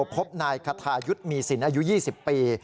พบนายคทายุทธ์มีสินอายุ๒๐ปี